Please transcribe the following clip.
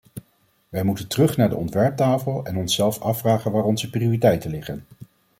Wij moeten terug naar de ontwerptafel en onszelf afvragen waar onze prioriteiten liggen.